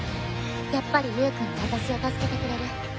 やっぱりゆーくんは私を助けてくれる。